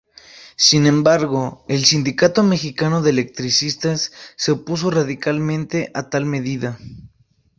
Sin embargo, el Sindicato Mexicano de Electricistas se opuso radicalmente a tal medida.